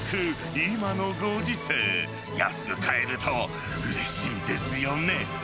今のご時世、安く買えるとうれしいですよね。